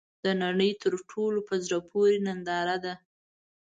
د نړۍ تر ټولو ، په زړه پورې ننداره ده .